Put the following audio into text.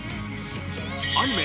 アニメ